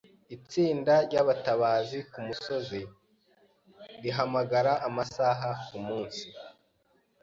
Itsinda ryabatabazi kumusozi rirahamagara amasaha kumunsi.